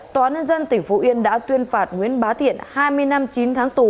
tòa án nhân dân tỉnh phú yên đã tuyên phạt nguyễn bá thiện hai mươi năm chín tháng tù